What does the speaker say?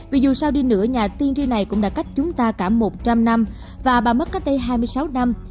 vì dù sao đi nữa nhà tiên tri này cũng đã cách chúng ta cả một trăm linh năm và bà mất cách đây hai mươi sáu năm